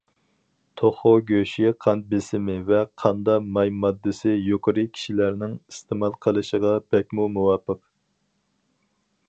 توخۇ گۆشى قان بېسىمى ۋە قاندا ماي ماددىسى يۇقىرى كىشىلەرنىڭ ئىستېمال قىلىشىغا بەكمۇ مۇۋاپىق.